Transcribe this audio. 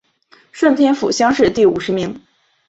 顺天府乡试第五十名。